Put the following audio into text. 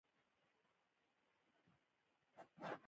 هند د لومړي شل اووريز جام اتل سو.